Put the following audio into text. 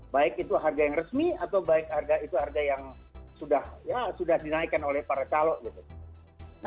baik itu harga yang resmi atau baik itu harga yang sudah ya sudah dinaikkan oleh para calo gitu